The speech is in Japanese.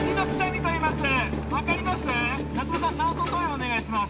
お願いします